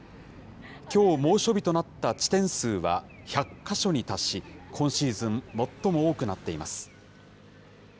きょう、猛暑日となった地点数は１００か所に達し、今シーズン、最も多くなっています。